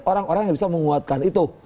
orang orang yang bisa menguatkan itu